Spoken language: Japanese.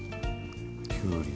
きゅうり。